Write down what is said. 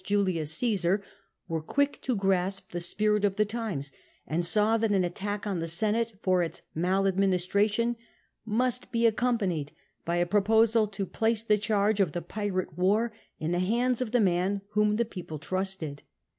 Julius Omsar, were quick to grasp the spirit of the times, and saw that an attack on the Senate for its maladministration must be accompanied by a pro posal to place the charge of the Pirate war in the hands of the man whom the people trusted.